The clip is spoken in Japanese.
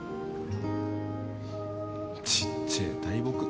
ちっちぇえ大木。